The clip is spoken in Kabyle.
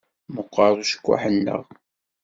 Meqqeṛ ucekkuḥ-nneɣ.